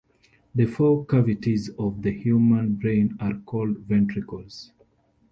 The four cavities of the human brain are called ventricles.